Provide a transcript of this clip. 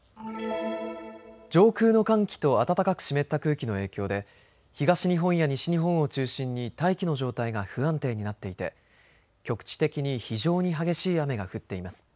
上空の寒気と暖かく湿った空気の影響で東日本や西日本を中心に大気の状態が不安定になっていて局地的に非常に激しい雨が降っています。